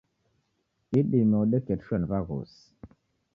Idime odeketishwa ni waghosi